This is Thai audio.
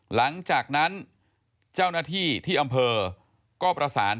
หลังจากนั้นเจ้าหน้าที่ที่อำเภอก็ประสาน